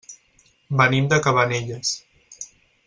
Venim de Cabanelles.